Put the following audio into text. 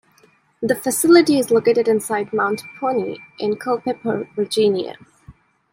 The facility is located inside Mount Pony in Culpeper, Virginia.